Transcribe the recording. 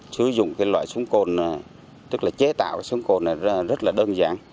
sử dụng cái loại súng cồn tức là chế tạo súng cồn này rất là đơn giản